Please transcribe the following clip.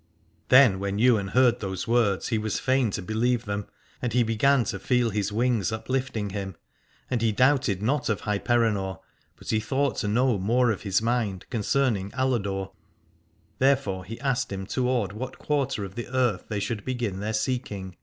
Then when Ywain heard those words he was fain to believe them, and he began to feel his wings uplifting him. And he doubted not of Hyperenor, but he thought to know more of his mind concerning Aladore : there fore he asked him toward what quarter of the earth they should begin their seeking.